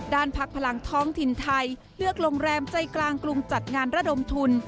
พักพลังท้องถิ่นไทยเลือกโรงแรมใจกลางกรุงจัดงานระดมทุน